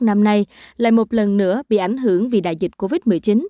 năm nay lại một lần nữa bị ảnh hưởng vì đại dịch covid một mươi chín